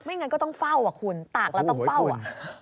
ไม่งั้นก็ต้องเฝ้าคุณตากแล้วต้องเฝ้า